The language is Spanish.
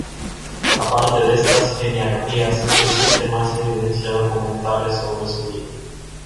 Aparte de estas genealogías, no existen más evidencias documentales sobre su vida.